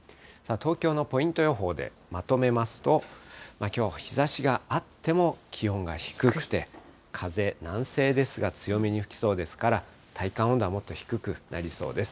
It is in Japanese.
東京のポイント予報でまとめますと、きょうは日ざしがあっても気温が低くて、風、南西ですが、強めに吹きそうですから、体感温度はもっと低くなりそうです。